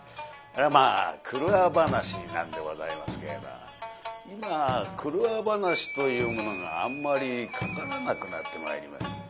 まあ郭話なんでございますけれど今郭話というものがあんまりかからなくなってまいりました。